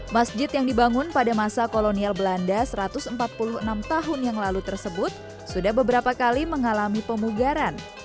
masjid yang dibangun pada masa kolonial belanda satu ratus empat puluh enam tahun yang lalu tersebut sudah beberapa kali mengalami pemugaran